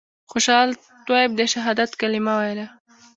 خوشحال طیب د شهادت کلمه ویله.